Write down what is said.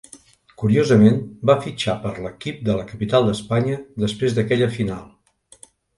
Curiosament va fitxar per l'equip de la capital d'Espanya després d'aquella final.